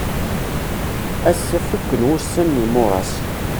Ass-a fuken wussan n yimuṛas.